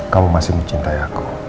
kamu masih mencintai aku